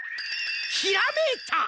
ひらめいた！